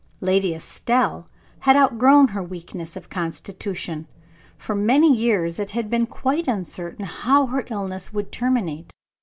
Lady Estelle had outgrown her weakness of constitution. For many years it had been quite uncertain how her illness would terminate.